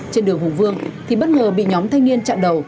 trên đường hùng vương thì bất ngờ bị nhóm thanh niên chặn đầu